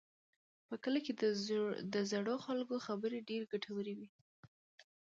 په کلي کې د زړو خلکو خبرې ډېرې ګټورې وي.